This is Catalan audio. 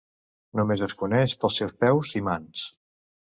Només es coneix pels seus peus i mans.